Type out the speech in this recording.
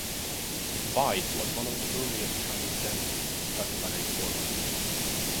Bai was one of the earliest Chinese dancers to study ballet formally.